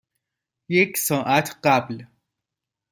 یک ساعت قبل.